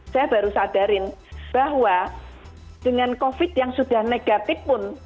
saya baru sadarin bahwa dengan covid yang sudah negatif pun